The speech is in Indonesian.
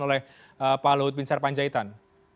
oleh pak luhut bin sarpanjaitan